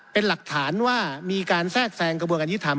เป็นหลักฐานว่ามีการแทรกแทรงกระบวนการยุทธรรม